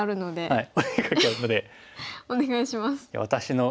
はい。